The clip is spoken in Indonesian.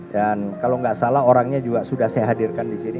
dan kalau tidak salah orangnya juga sudah saya hadirkan disini